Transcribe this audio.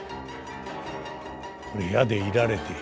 これ矢で射られて。